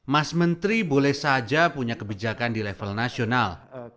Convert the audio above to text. mas menteri boleh saja punya kebijakan di level nasional